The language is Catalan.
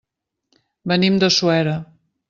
Venim de Suera.